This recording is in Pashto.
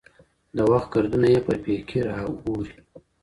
د وخـــت ګــــردونـه پــر پـيـــكي را اوري